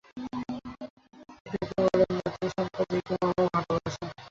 এটাকেই বলে মাতৃ সম্পর্কীয় মামার ভালোবাসা।